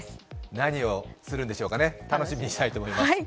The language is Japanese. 何をするんでしょうかね、楽しみにしたいと思います。